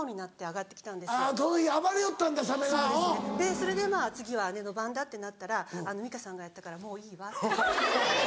それで次は姉の番だってなったら「美香さんがやったからもういいわ」って。